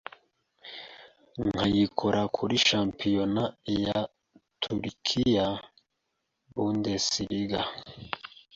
nkayikora kuri shampiyona ya Turukiya, Bundesliga,